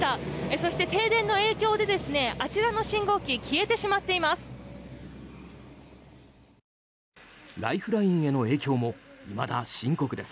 そして停電の影響であちらの信号機消えてしまっています。